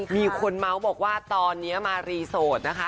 มีคนเมาส์บอกว่าตอนนี้มารีโสดนะคะ